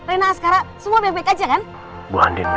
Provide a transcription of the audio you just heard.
rina sekarang semua baik baik aja kan bu andien mir